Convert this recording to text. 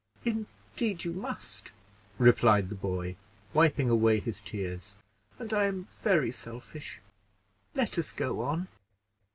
"Indeed you must," replied the boy, wiping away his tears, "and I am very selfish; let us go on."